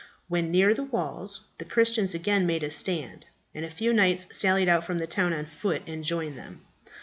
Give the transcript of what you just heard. When near the walls the Christians again made a stand, and a few knights sallied out from the town on foot and joined them.